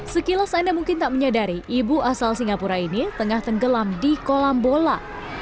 sekilas anda mungkin tak menyadari ibu asal singapura ini tengah tenggelam di kolam bola